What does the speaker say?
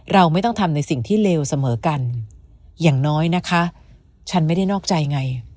เราไม่ต้องทำในสิ่งที่เลวเสมอกันอย่างน้อยนะคะฉันไม่ได้นอกใจไง